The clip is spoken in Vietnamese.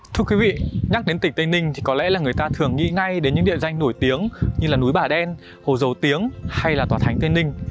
thưa quý vị nhắc đến tỉnh tây ninh thì có lẽ là người ta thường nghĩ ngay đến những địa danh nổi tiếng như là núi bà đen hồ dầu tiếng hay là tòa thánh tây ninh